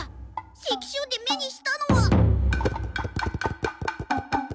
関所で目にしたのは。